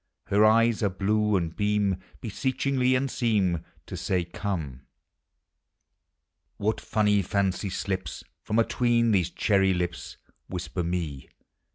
Her eyes are blue, and beam Beseechingly, and seem To say, " Come !" What funny fancy slips From a I ween these cherry lips! Whisper me.